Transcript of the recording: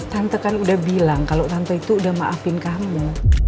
tante kan udah bilang kalau tante itu udah maafin kamu